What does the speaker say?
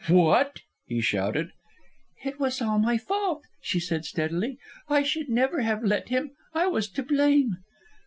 "What?" he shouted. "It was all my fault," she said steadily. "I should never have let him. I was to blame."